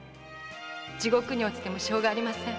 地獄に堕ちてもしょうがありません」